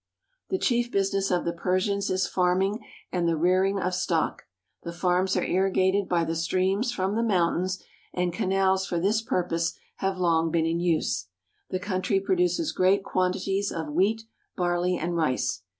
The chief business of the Persians is farming and the rearing of stock. The farms are irrigated by the streams from the mountains, and canals for this purpose have long been in use. The country produces great quantities of wheat, barley, and rice.